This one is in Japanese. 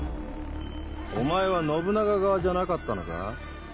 お前は信長側じゃなかったのか？